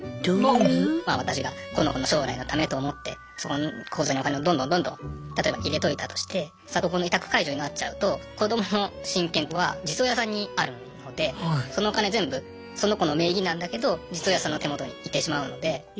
私がこの子の将来のためと思ってそこの口座にお金をどんどんどんどん例えば入れといたとして里子の委託解除になっちゃうと子どもの親権は実親さんにあるのでそのお金全部その子の名義なんだけど実親さんの手元に行ってしまうので。